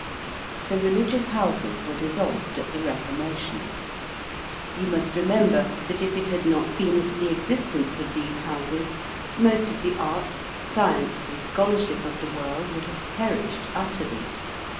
The Religious Houses were dissolved at the Reformation. You must remember that if it had not been for the existence of these Houses, most of the arts, science, and scholarship of the world would have perished utterly.